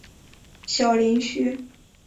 小林旭。